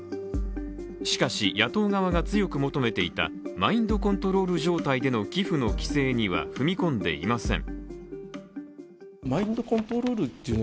しかし、野党側が強く求めていたマインドコントロール状態での寄付の規制には、踏み込んでいません。